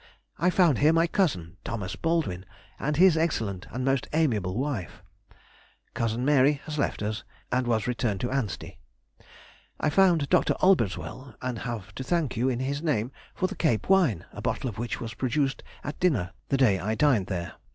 I found here my cousin, Thomas Baldwin, and his excellent and most amiable wife. Cousin Mary had left us, and was returned to Anstey. I found Dr. Olbers well, and have to thank you, in his name, for the Cape wine, a bottle of which was produced at dinner the day I dined there.